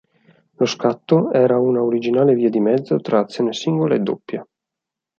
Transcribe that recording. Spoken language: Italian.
Lo scatto era una originale via di mezzo tra azione singola e doppia.